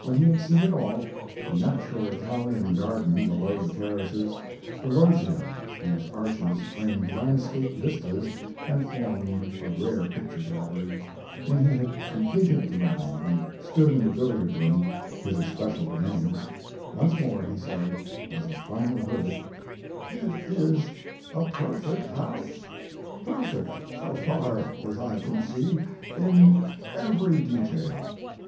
When he had seen it all the natural Italian garden below the terraces; the loggia, whose arches framed landscape vistas and formed a rare picture gallery; when he had completed the round and stood in the billiard room his especial domain once more he said, as a final verdict: "It is a perfect house perfect, so far as I can see, in every detail.